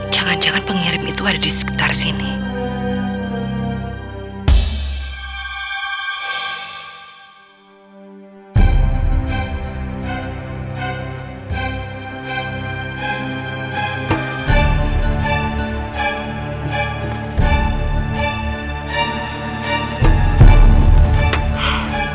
jangan jangan pengirim itu ada di sekitar sini ya